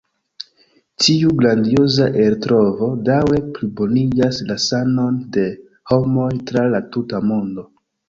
Tiu grandioza eltrovo daŭre plibonigas la sanon de homoj tra la tuta mondo.